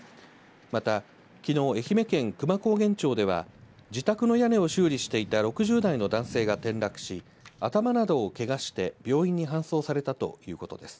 また、きのう愛媛県久万高原町では自宅の屋根を修理していた６０代の男性が転落し頭などをけがして病院に搬送されたということです。